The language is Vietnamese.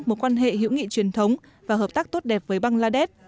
một quan hệ hữu nghị truyền thống và hợp tác tốt đẹp với bangladesh